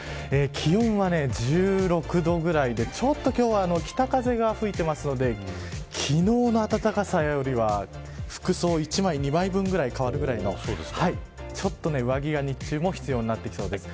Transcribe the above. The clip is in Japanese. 気温は１６度ぐらいでちょっと今日は北風が吹いていますので昨日の暖かさよりは服装、１枚、２枚分ぐらい変わるぐらいの上着が日中も必要になってきそうです。